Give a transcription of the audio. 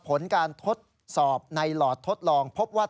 ผลการทดสอบในหลอดทดลองพบว่า